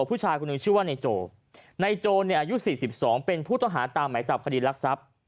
ผู้ชายคนหนึ่งชื่อว่านายโจในโจเนี่ยอายุ๔๒เป็นผู้ต้องหาตามหมายจับคดีรักทรัพย์